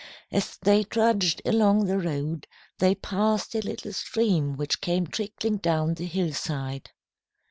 As they trudged along the road, they passed a little stream which came trickling down the hillside.